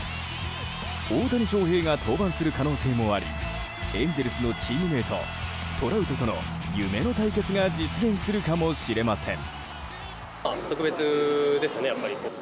大谷翔平が登板する可能性もありエンゼルスのチームメートトラウトとの夢の対決が実現するかもしれません。